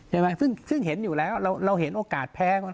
ใช่ไหมซึ่งเห็นอยู่แล้วเราเห็นโอกาสแพ้